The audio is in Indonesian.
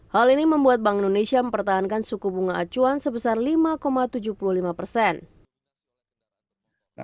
hal ini membuat bank indonesia mempertahankan suku bunga acuan sebesar lima tujuh puluh lima persen